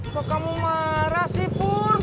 kok kamu marah sih pur